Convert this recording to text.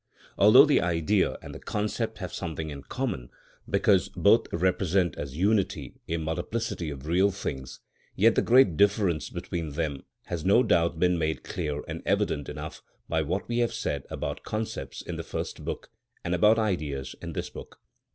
Although the Idea and the concept have something in common, because both represent as unity a multiplicity of real things; yet the great difference between them has no doubt been made clear and evident enough by what we have said about concepts in the first book, and about Ideas in this book.